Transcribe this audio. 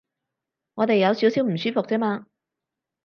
我哋有少少唔舒服啫嘛